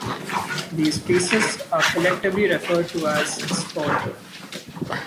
These pieces are collectively referred to as spall.